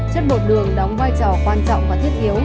chất bột đường đóng vai trò quan trọng và thiết yếu